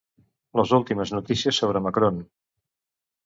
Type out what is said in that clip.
Les últimes notícies sobre Macron.